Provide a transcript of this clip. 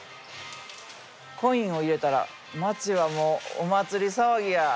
コインを入れたら町はもうお祭り騒ぎや。